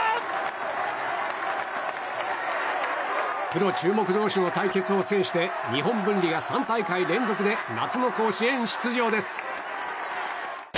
プロ注目同士の対決を制して日本文理が３大会連続で夏の甲子園出場です！